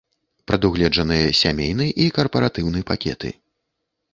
Прадугледжаныя сямейны і карпаратыўны пакеты.